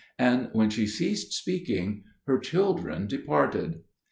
And when she ceased speaking, her children departed.